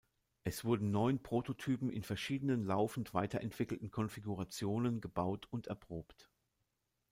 Es wurden neun Prototypen in verschiedenen laufend weiterentwickelten Konfigurationen gebaut und erprobt.